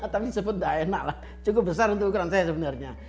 tapi sempat enaklah cukup besar untuk ukuran saya sebenarnya